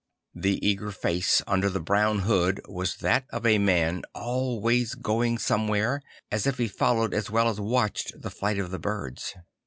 The eager face under the brown hood was that of a man always going somewhere, as if he followed as well as watched the flight of the birds.